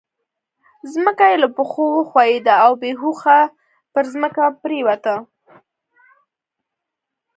ځمکه يې له پښو وښوېده او بې هوښه پر ځمکه پرېوته.